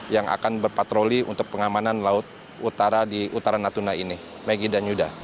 yang akan berpatroli untuk pengamanan laut utara di utara natuna ini maggie dan yuda